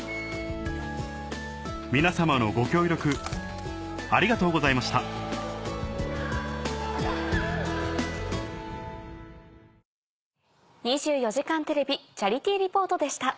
みなさまのご協力ありがとうございました「２４時間テレビチャリティー・リポート」でした。